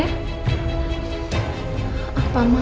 apa mas aku gak ngerti ma